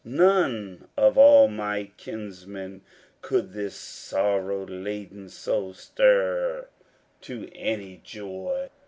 None of all my kinsmen Could this sorrow laden soul stir to any joy.